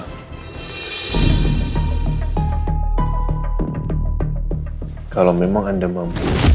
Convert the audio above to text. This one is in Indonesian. dia mencoba untuk menghubungi saya dengan mencoba untuk mencoba untuk mencoba